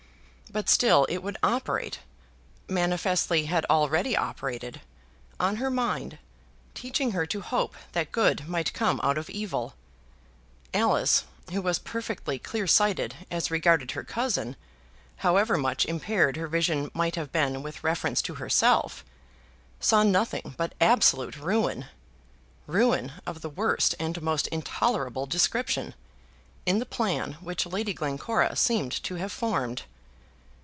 But still it would operate, manifestly had already operated, on her mind, teaching her to hope that good might come out of evil. Alice, who was perfectly clearsighted as regarded her cousin, however much impaired her vision might have been with reference to herself, saw nothing but absolute ruin, ruin of the worst and most intolerable description, in the plan which Lady Glencora seemed to have formed.